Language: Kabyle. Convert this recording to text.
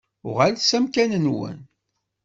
Uɣalet s amkan-nwen.